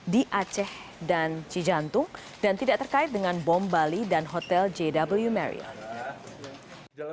di aceh dan cijantung dan tidak terkait dengan bom bali dan hotel jw marrio